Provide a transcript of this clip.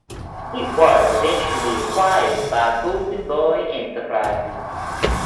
It was eventually acquired by Golden Boy Enterprises.